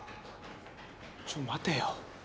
ちょっと待てよ。